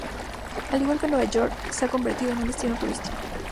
Al igual que en Nueva York, se ha convertido en un destino turístico.